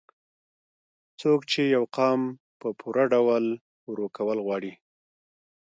څوک چې يو قام په پوره ډول وروکول غواړي